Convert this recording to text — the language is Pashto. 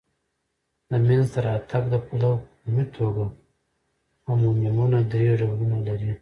د مینځ ته راتګ د پلوه په عمومي توګه امونیمونه درې ډولونه لري.